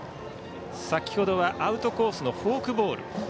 先ほどはアウトコースのフォークボール。